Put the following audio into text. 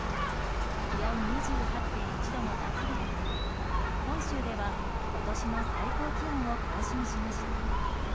気温２８．１度の夏日となり本州では今年の最高気温を更新しました。